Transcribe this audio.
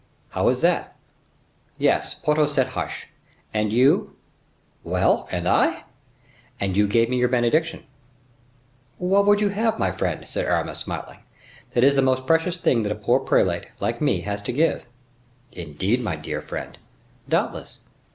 "How is that?" "Yes, Porthos said hush! and you—" "Well! and I?" "And you gave me your benediction." "What would you have, my friend?" said Aramis, smiling; "that is the most precious thing that a poor prelate, like me, has to give." "Indeed, my dear friend!" "Doubtless."